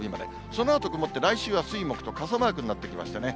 そのあと曇って、来週は水、木と傘マークになってきましたね。